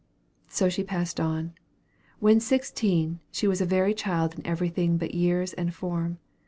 So she passed on. When sixteen, she was a very child in everything but years and form.